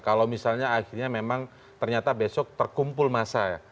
kalau misalnya akhirnya memang ternyata besok terkumpul masa ya